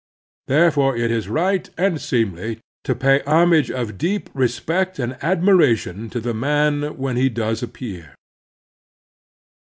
Therefore it is right and seemly to pay homage of deep respect and admiration to the man when he does appear.